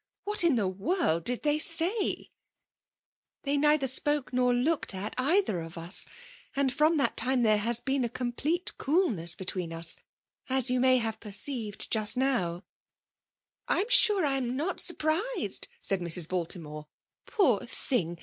what in the world did they say ?" ''They neither spdce to nor looked at either of us ; and from that time there has been a complete coolness between us^ as you may have perceived just now/' " I am sure I am not surprised," said Mrs. Baltimore. '' Poor thing